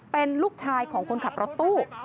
เป็นลูกชายของคนขับรถตู้